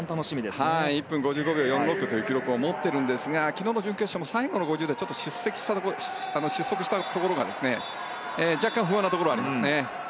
１分５５秒４６という記録を持っているんですが昨日の準決勝も最後の５０で失速したところが若干不安なところがありますね。